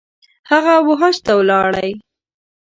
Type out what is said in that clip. هغه ، وحج ته ولاړی